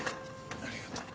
ありがとう。